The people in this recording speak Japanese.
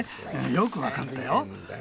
よく分かったよ。